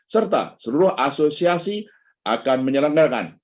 serta seluruh asosiasi akan menyelenggarakan